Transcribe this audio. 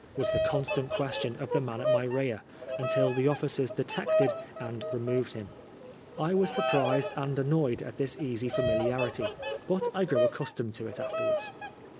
was the constant question of the man at my rear, until the officers detected, and removed him. I was surprised and annoyed at this easy familiarity, but I grew accustomed to it afterwards.